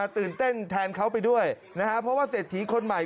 ตื่นเต้นแทนเขาไปด้วยนะฮะเพราะว่าเศรษฐีคนใหม่